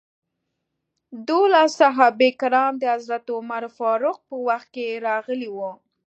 دولس صحابه کرام د حضرت عمر فاروق په وخت کې راغلي وو.